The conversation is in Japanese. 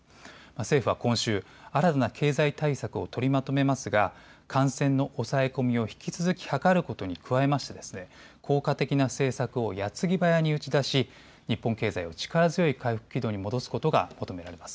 政府は今週、新たな経済対策を取りまとめますが感染の抑え込みを引き続き図ることに加えまして効果的な政策をやつぎばやに打ち出し、日本経済を力強い回復軌道に戻すことが求められます。